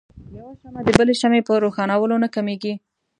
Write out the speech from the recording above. يوه شمعه د بلې شمعې په روښانؤلو نه کميږي.